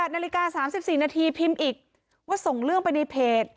นาฬิกา๓๔นาทีพิมพ์อีกว่าส่งเรื่องไปในเพจ